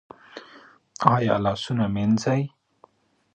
ایا لاسونه مینځي؟